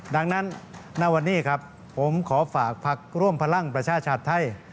ดังนั้นณวันนี้ครับผมขอฝากพักร่วมพลังประชาชาติไทย